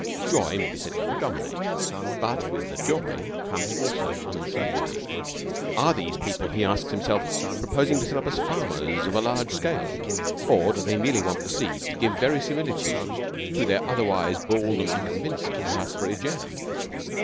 Joy may be said to predominate, but with the joy comes also uncertainty. Are these people, he asks himself, proposing to set up as farmers of a large scale, or do they merely want the seed to give verisimilitude to their otherwise bald and unconvincing raspberry jam?